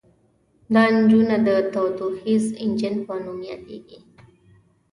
دا انجنونه د تودوخیز انجن په نوم یادیږي.